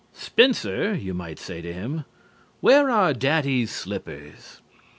"Spencer," you might say to him, "where are Daddy's slippers?"